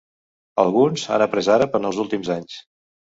Alguns han après àrab en els últims anys.